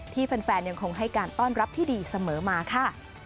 แฟนยังคงให้การต้อนรับที่ดีเสมอมาค่ะ